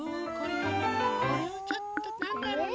んこれもうちょっとなんだろな。